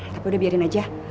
tapi udah biarin aja